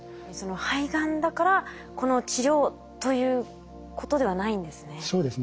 肺がんだからこの治療ということではないんですね。